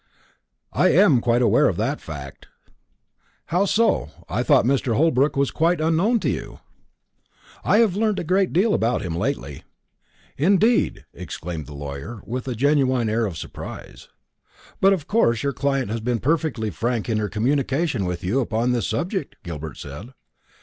"I am quite aware of that fact." "How so? I thought Mr. Holbrook was quite unknown to you?" "I have learnt a good deal about him lately." "Indeed!" exclaimed the lawyer, with a genuine air of surprise. "But of course your client has been perfectly frank in her communications with you upon this subject?" Gilbert said.